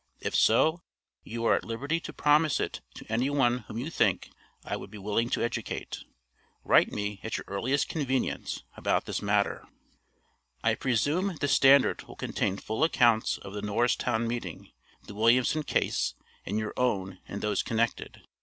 If so, you are at liberty to promise it to any one whom you think I would be willing to educate. Write me at your earliest convenience, about this matter. I presume the Standard will contain full accounts of the Norristown meeting, the Williamson case, and your own and those connected.